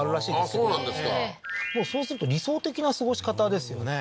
そうなんですかそうすると理想的な過ごし方ですよね